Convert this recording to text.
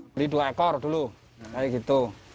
beli dua ekor dulu kayak gitu